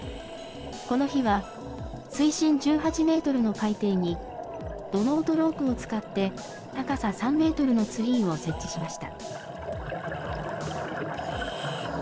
この日は水深１８メートルの海底に、土のうとロープを使って、高さ３メートルのツリーを設置しました。